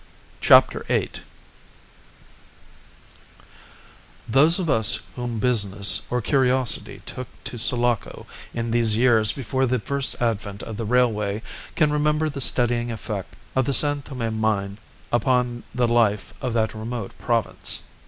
CHAPTER EIGHT Those of us whom business or curiosity took to Sulaco in these years before the first advent of the railway can remember the steadying effect of the San Tome mine upon the life of that remote province.